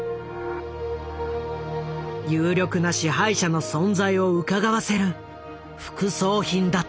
有力な支配者の存在をうかがわせる副葬品だった。